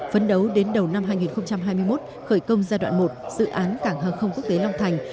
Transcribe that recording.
phấn đấu đến đầu năm hai nghìn hai mươi một khởi công giai đoạn một dự án cảng hàng không quốc tế long thành